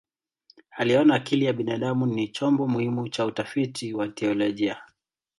Aliona akili ya binadamu ni chombo muhimu cha utafiti wa teolojia.